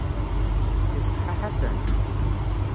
Iṣeḥḥa Ḥasan?